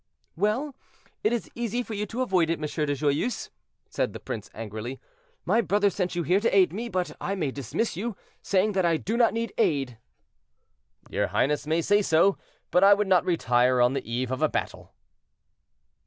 "Well, it is easy for you to avoid it, M. de Joyeuse," said the prince angrily; "my brother sent you here to aid me, but I may dismiss you, saying that I do not need aid." "Your highness may say so, but I would not retire on the eve of a battle."